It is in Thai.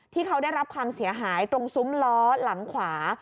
ที่เขาได้รับความเสียหายตรงซุ้มล้อหลังขวา